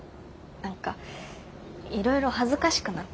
何かいろいろ恥ずかしくなった。